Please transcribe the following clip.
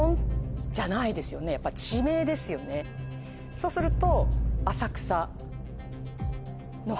そうすると。